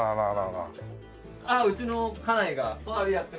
うちの家内が隣やってます。